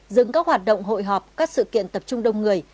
dừng các hoạt động hội họp các sự kiện tập trung đông người